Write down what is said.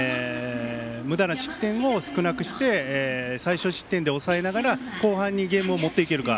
むだな失点を少なくして最少失点で抑えながら後半にゲームを持っていけるか。